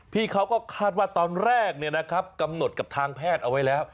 พี่เขาก็คาดว่าตอนแรกกำหนดกับทางแพทย์เอาไว้แล้ว